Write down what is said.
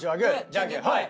じゃんけんほい！